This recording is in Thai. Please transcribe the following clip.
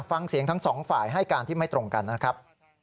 ฟังเสียงทั้งสองฝ่ายให้การที่ไม่ตรงกันนะครับ